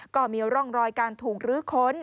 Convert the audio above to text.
ก็มีร่องรอยการถูกลื้อค้น